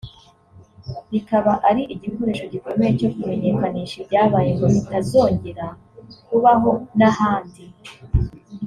bikaba ari igikoresho gikomeye cyo kumenyekanisha ibyabaye ngo bitazongera kubaho n’ahandi